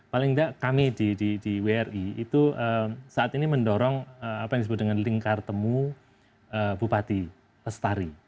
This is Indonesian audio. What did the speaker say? paling tidak kami di wri itu saat ini mendorong apa yang disebut dengan lingkar temu bupati lestari